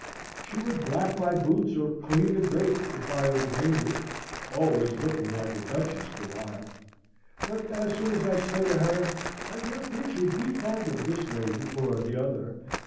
She would black my boots, or clean the grate, if I ordained it (always looking like a duchess the while); but as soon as I say to her, "My dear creature, be fond of this lady, or t'other!"